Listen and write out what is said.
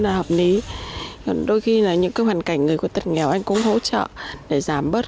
cho du lịch đến dịch trường giúp đời sst incredible chiến trình h filtered và đẩy me cara